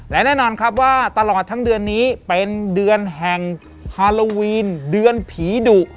และแน่นอนครับว่าตลอดทั้งเดือนนี้เป็นเดือนแห่งฮาโลวีนเดือนผีดุ